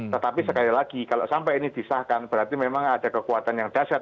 tetapi sekali lagi kalau sampai ini disahkan berarti memang ada kekuatan yang dasar